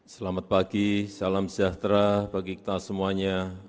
selamat pagi salam sejahtera bagi kita semuanya